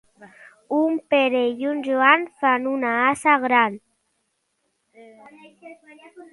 Un Pere i un Joan fan un ase gran.